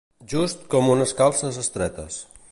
Just com unes calces estretes.